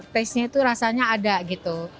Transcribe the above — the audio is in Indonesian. tasenya itu rasanya ada gitu